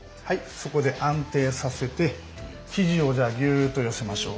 そこで安定させて肘をギューッと寄せましょう。